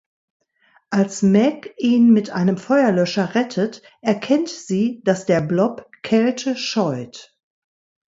Als Meg ihn mit einem Feuerlöscher rettet, erkennt sie, dass der Blob Kälte scheut.